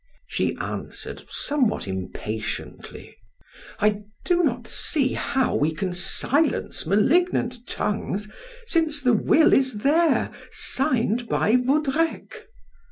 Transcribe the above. She answered somewhat impatiently: "I do not see how we can silence malignant tongues since the will is there, signed by Vaudrec."